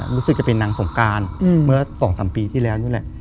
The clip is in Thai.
รู้สึกจะเป็นนางสงการเมื่อ๒๓ปีที่แล้วนี่แหละ